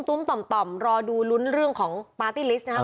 ต่อเติมรอดูรุนเรื่องของาร์ตี้ลิสนะครับ